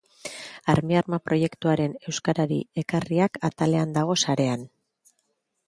Armiarma proiektuaren euskarari ekarriak atalean dago sarean.